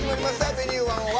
「Ｖｅｎｕｅ１０１」。